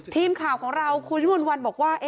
ทีมข่าวของเราคุณวิมนต์วันบอกว่า